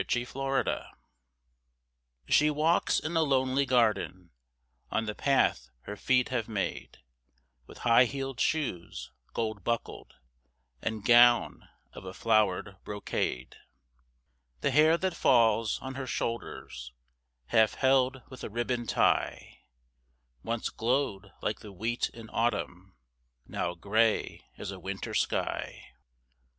THE OLD MAID She walks in a lonely garden On the path her feet have made, With high heeled shoes, gold buckled, And gown of a flowered brocade; The hair that falls on her shoulders, Half held with a ribbon tie, Once glowed like the wheat in autumn, Now grey as a winter sky.